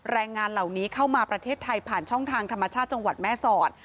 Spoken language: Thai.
แรงงานเหล่านี้เข้ามาประเทศไทยผ่านช่องทางธรรมชาติจังหวัดแม่สอด